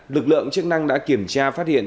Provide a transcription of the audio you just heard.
lực lượng chức năng đã kiểm tra phát hiện